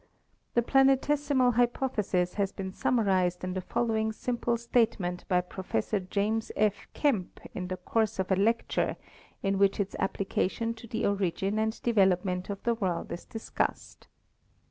The planetesimal hypothesis has been summarized in the following simple statement by Prof. James F. Kemp in the course of a lecture in which its application to the origin and development of the world is discussed.